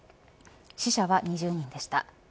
死者は２０人でした。